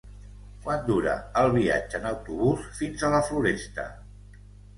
Quant dura el viatge en autobús fins a la Floresta?